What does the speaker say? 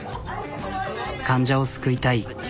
患者を救いたい。